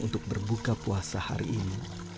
untuk berbuka puasa hari ini